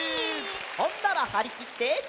ほんならはりきって。